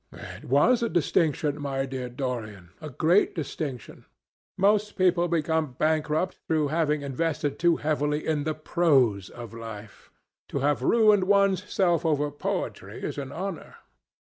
"It was a distinction, my dear Dorian—a great distinction. Most people become bankrupt through having invested too heavily in the prose of life. To have ruined one's self over poetry is an honour.